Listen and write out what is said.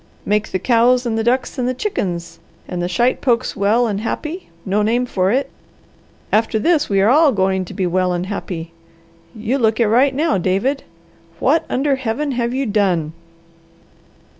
Make the cows, and the ducks, and the chickens, and the shitepokes well, and happy no name for it! After this we are all going to be well and happy! You look it right now, David! What under Heaven have you done?"